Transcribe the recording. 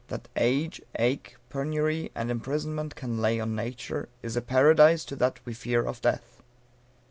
That age, ache, penury and imprisonment Can lay on Nature, is a Paradise To that we fear of Death."